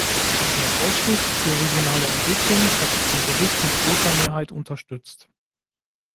Der Ausschuss für regionale Entwicklung hat den Bericht mit großer Mehrheit unterstützt.